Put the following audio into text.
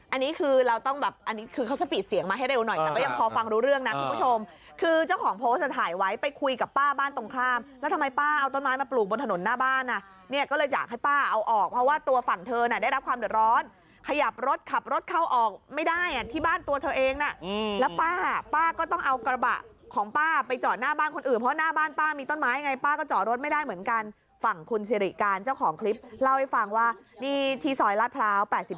อันนี้คือเราต้องแบบอันนี้คือเขาสะบีกเสียงมาให้เร็วหน่อยก็ยังพอฟังรู้เรื่องน่ะคุณผู้ชมคือเจ้าของผวชาอยถ่ายไว้ไปคุยกับป้าบ้านตรงข้ามแล้วทำไมป้าเอาต้นไม้มาปลูกบนถนนหน้าบ้านน่ะเนี้ยก็เลยจัดให้ป๊าเอาออกเพราะว่าตัว